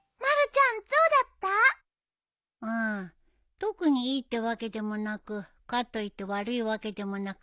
特にいいってわけでもなくかといって悪いわけでもなく。